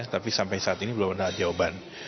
tapi sampai saat ini belum ada jawaban